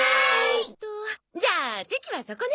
えっとじゃあ席はそこね。